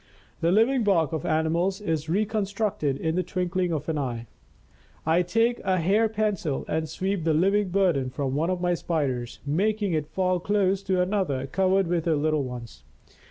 The living bark of animals is reconstructed in the twinkling of an eye. I take a hair pencil and sweep the living burden from one of my Spiders, making it fall close to another covered with her little ones.